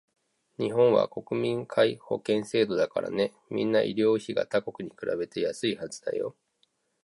日本は国民皆保険制度だからね、みんな医療費が他国に比べて安いはずだよ